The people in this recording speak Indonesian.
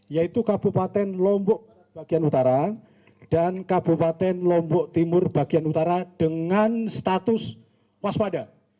yaitu kabupaten lombok bagian utara dan kabupaten lombok timur bagian utara dengan status waspada